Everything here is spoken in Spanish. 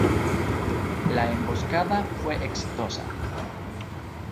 La emboscada fue exitosa.